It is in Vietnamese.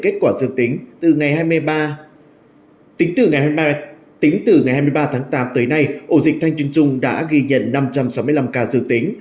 tính từ ngày hai mươi ba tháng tám tới nay ổ dịch thanh truyền trung đã ghi nhận năm trăm sáu mươi năm ca dương tính